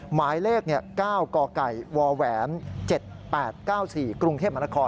หมายเลข๙กกว๗๘๙๔กรุงเทพมนคร